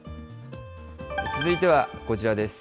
続いてはこちらです。